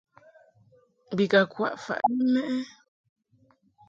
Bi ka kwaʼ faʼ lɛ mɛʼ ɛ ?